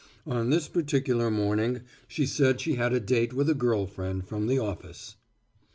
On this particular morning she said she had a date with a girl friend from the office.